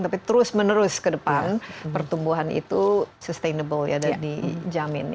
tapi terus menerus ke depan pertumbuhan itu sustainable ya dan dijamin